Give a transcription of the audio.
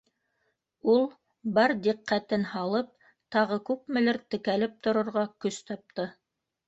Ул бар диҡҡәтен һалып тағы күпмелер текәлеп торорға көс тапты.